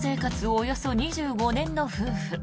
およそ２５年の夫婦。